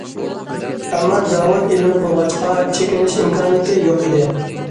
ئەمما زاۋۇت ئېلىنىپ بولغاچقا، چېكىنىش ئىمكانىيىتى يوق ئىدى.